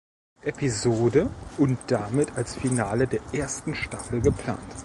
Episode und damit als Finale der ersten Staffel geplant.